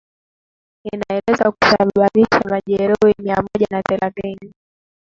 inaelezwa kusababisha majeruhi mia moja na thelathini